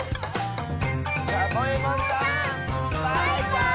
サボえもんさんバイバーイ！